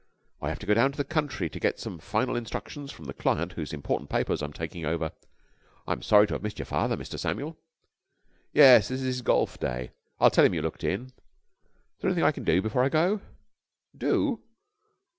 I have to go down to the country to get some final instructions from the client whose important papers I am taking over. I'm sorry to have missed your father, Mr. Samuel." "Yes, this is his golf day, I'll tell him you looked in." "Is there anything I can do before I go?" "Do?"